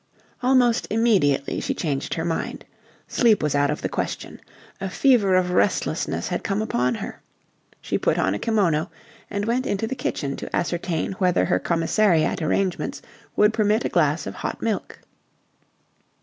Almost immediately she changed her mind. Sleep was out of the question. A fever of restlessness had come upon her. She put on a kimono, and went into the kitchen to ascertain whether her commissariat arrangements would permit of a glass of hot milk.